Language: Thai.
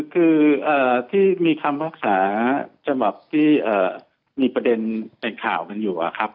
คือที่มีคำพิพากษาฉบับที่มีประเด็นเป็นข่าวกันอยู่อะครับ